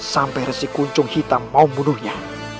sampai resik kuncung hitam mau membunuhnya